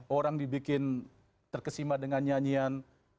orang dibikin terkesima dengan nyanyian